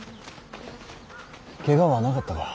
ケガはなかったか。